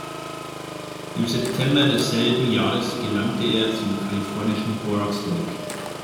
Im September desselben Jahres gelangte er zum kalifornischen Borax Lake.